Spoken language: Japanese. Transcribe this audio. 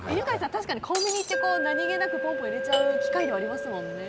確かにコンビニって何気なく入れちゃう機会ではありますもんね。